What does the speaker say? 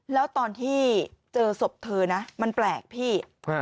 แล้วตอนที่เจอศพเธอนะมันแปลกพี่